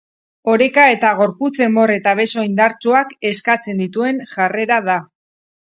Oreka eta gorputz-enbor eta beso indartsuak eskatzen dituen jarrera da.